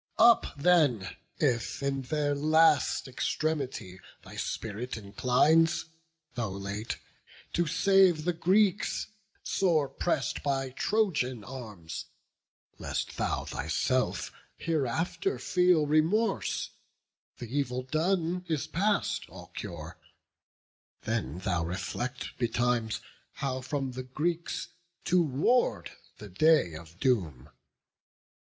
Up then! if in their last extremity Thy spirit inclines, though late, to save the Greeks Sore press'd by Trojan arms: lest thou thyself Hereafter feel remorse; the evil done Is past all cure; then thou reflect betimes How from the Greeks to ward the day of doom.